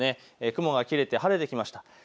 雲が切れて晴れてきました。